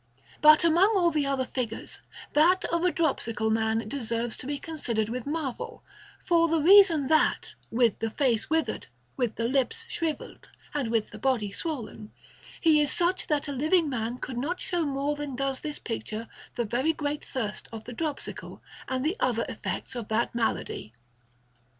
But among all the other figures, that of a dropsical man deserves to be considered with marvel, for the reason that, with the face withered, with the lips shrivelled, and with the body swollen, he is such that a living man could not show more than does this picture the very great thirst of the dropsical and the other effects of that malady.